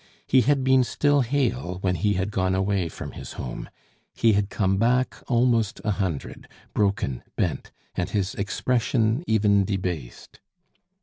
He had been still hale when he had gone away from his home; he had come back almost a hundred, broken, bent, and his expression even debased.